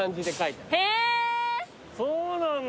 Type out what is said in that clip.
そうなんだ！